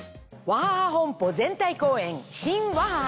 ワハハ本舗全体公演「シン・ワハハ」。